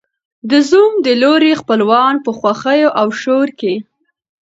د زوم د لوري خپلوان په خوښیو او شور کې